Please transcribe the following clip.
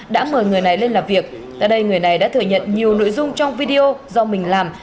đã mời người này lên làm việc tại đây người này đã thừa nhận nhiều nội dung trong video do mình làm